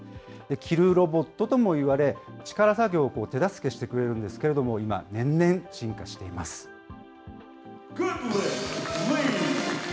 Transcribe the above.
着るロボットともいわれ、力作業を手助けしてくれるんですけれども、今、年々進化しています。